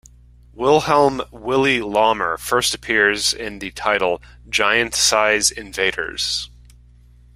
Wilhelm "Willie" Lohmer first appears in the title "Giant-Size Invaders".